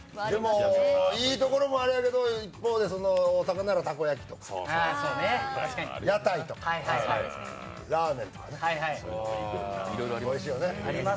いいところもあれやけど一方で大阪ならたこ焼きとか屋台とか、ラーメンとかねおいしいよね。